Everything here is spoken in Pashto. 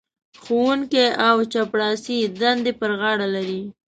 ښوونکی او چپړاسي دندې پر غاړه لري.